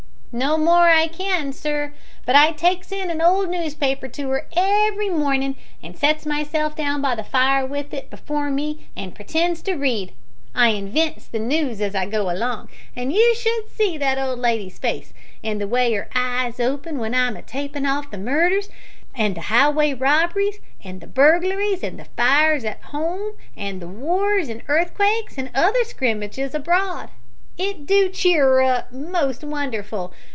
"No more I can, sir but I takes in a old newspaper to 'er every morning', an' sets myself down by the fire with it before me an' pretends to read. I inwents the noos as I goes along; an you should see that old lady's face, an' the way 'er eyes opens we'n I'm a tapin' off the murders an' the 'ighway robberies, an' the burglaries an' the fires at 'ome, an' the wars an' earthquakes an' other scrimmages abroad. It do cheer 'er up most wonderful.